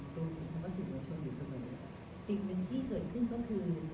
ใช้กระทริปตัวส่งส่งอยู่เสมอสิ่งที่เกิดขึ้นก็คือ